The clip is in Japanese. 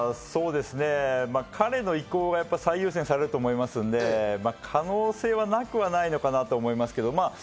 まぁ、そうですね、彼の意向が最優先されると思いますので可能性はなくはないのかなと思いますけど。